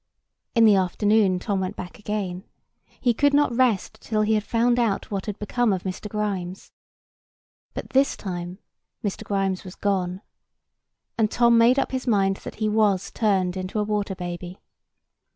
In the afternoon Tom went back again. He could not rest till he had found out what had become of Mr. Grimes. But this time Mr. Grimes was gone; and Tom made up his mind that he was turned into a water baby.